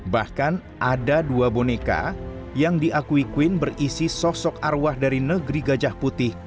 bahkan ada dua boneka yang diakui queen berisi sosok arwah dari negeri gajah putih